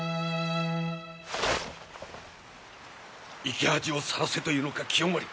生き恥をさらせというのか清盛。